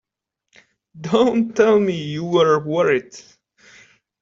Don't tell me you were worried!